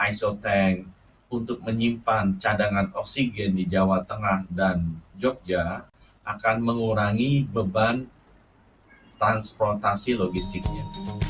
iso tank untuk menyimpan cadangan oksigen di jawa tengah dan jogja akan mengurangi beban transportasi logistiknya